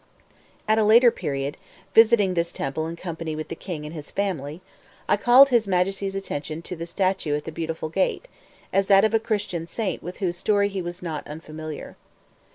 At a later period, visiting this temple in company with the king and his family, I called his Majesty's attention to the statue at the Beautiful Gate, as that of a Christian saint with whose story he was not unfamiliar.